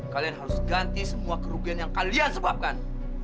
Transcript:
kalian harus ganti semua kerugian yang kalian sebabkan